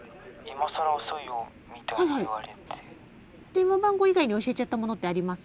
電話番号以外に教えちゃったものってあります？